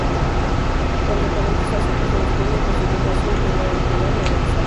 Cuando el cabello está seco, se desprenden consiguiendo así un peinado ondulado o rizado.